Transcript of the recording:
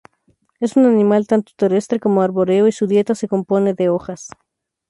Es un animal tanto terrestre como arbóreo y su dieta se compone de hojas.